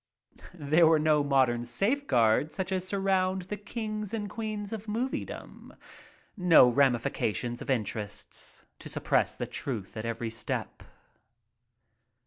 There were no modern safeguards such as sur round the kings and queens of Moviedom. No ram ification of inteersts to suppress the truth at every step.